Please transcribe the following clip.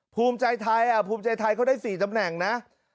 ภูมิใจไทยภูมิใจไทยเขาได้๔ตำแหน่งนะ